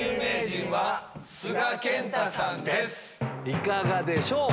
いかがでしょう？